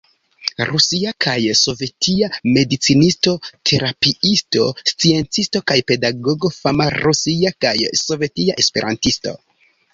Rusia kaj sovetia medicinisto-terapiisto, sciencisto kaj pedagogo, fama rusia kaj sovetia esperantisto.